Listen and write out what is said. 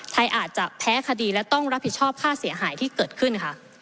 อาจจะแพ้คดีและต้องรับผิดชอบค่าเสียหายที่เกิดขึ้นค่ะ